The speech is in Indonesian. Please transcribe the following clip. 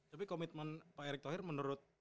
tapi komitmen pak erick thohir menurut